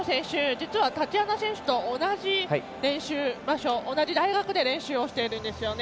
実はタチアナ選手と同じ練習場所同じ大学で練習をしているんですよね。